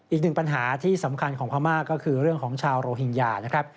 อีกหนึ่งปัญหาที่สำคัญของพม่าก็คือเรื่องของชาวโรฮิงญานะครับ